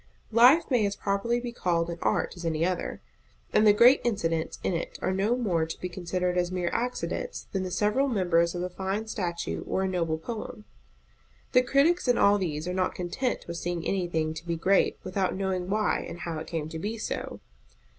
Life may as properly be called an art as any other; and the great incidents in it are no more to be considered as mere accidents than the several members of a fine statue or a noble poem. The critics in all these are not content with seeing anything to be great without knowing why and how it came to be so.